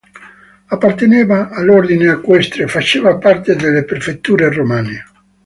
Apparteneva all'ordine equestre e faceva parte delle prefetture romane.